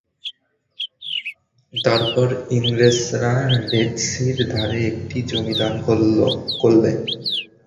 তারপর ইংরেজরা রেড-সীর ধারে একটি জমি দান করলে।